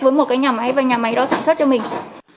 với một cái nhà máy và nhà máy đó sản xuất cho mình